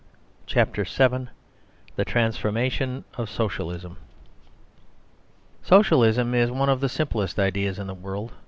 CHAPTER VII THE TRANSFORMATION OF SOCIALISM Socialism is one of the simplest ideas in the world.